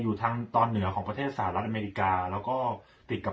อยู่ทางตอนเหนือของประเทศสหรัฐอเมริกาแล้วก็ติดกับ